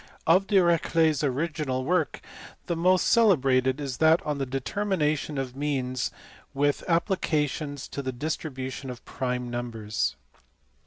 Of Dirichlet s original work the most celebrated is that on the determination of means with applica tions to the distribution of prime numbers.